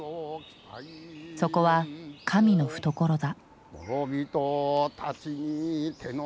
そこは神の懐だ。